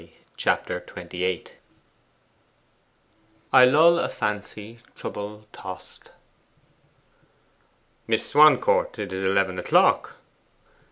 Chapter XXVIII 'I lull a fancy, trouble tost.' Miss Swancourt, it is eleven o'clock.